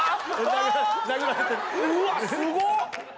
うわっすごっ！